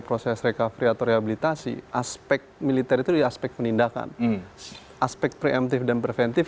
proses recovery atau rehabilitasi aspek militer itu di aspek penindakan aspek preemptif dan preventif